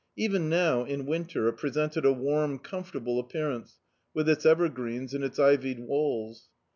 Even now, in Winter, it presented a warm, comfortable appear ance, with its evergreens and its ivied walls.